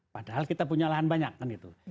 padahal kita punya lahan banyak kan itu